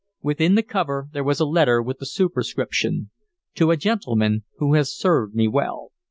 Within the cover there was a letter with the superscription, "To a Gentleman who has served me well."